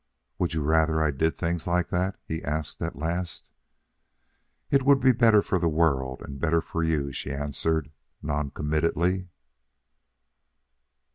"Would you rather I did things like that?" he asked at last. "It would be better for the world, and better for you," she answered noncommittally.